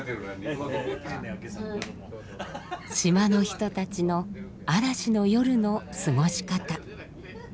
島の人たちの嵐の夜の過ごし方。